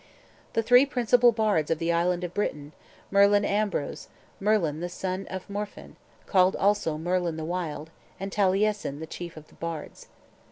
"The three principal bards of the island of Britain: Merlin Ambrose Merlin the son of Mprfyn, called also Merlin the Wild, And Taliesin, the chief of the bards."